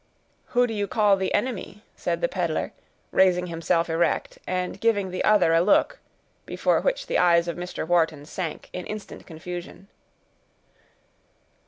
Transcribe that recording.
"Who do you call the enemy?" said the peddler, raising himself erect, and giving the other a look, before which the eyes of Mr. Wharton sank in instant confusion.